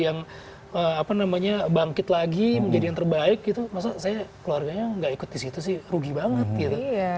yang apa namanya bangkit lagi menjadi yang terbaik gitu masa saya keluarganya gak ikut disitu sih rugi banget gitu